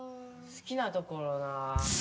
すきなところな。